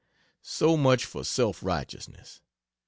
So much for self righteousness!